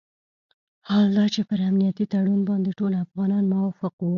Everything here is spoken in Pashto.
حال دا چې پر امنیتي تړون باندې ټول افغانان موافق وو.